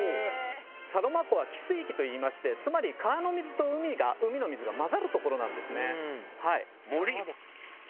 サロマ湖は汽水域といいましてつまり川の水と海の水が混ざる所なんですね。